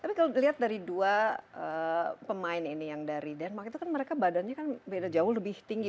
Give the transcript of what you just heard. tapi kalau dilihat dari dua pemain ini yang dari denmark itu kan mereka badannya kan beda jauh lebih tinggi